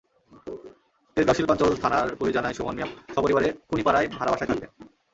তেজগাঁও শিল্পাঞ্চল থানার পুলিশ জানায়, সুমন মিয়া সপরিবারে কুনিপাড়ায় ভাড়া বাসায় থাকতেন।